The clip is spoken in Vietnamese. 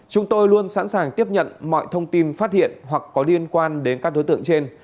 chúng tôi luôn sẵn sàng tiếp nhận mọi thông tin phát hiện hoặc có liên quan đến các đối tượng trên